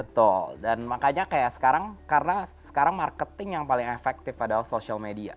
betul dan makanya kayak sekarang karena sekarang marketing yang paling efektif adalah social media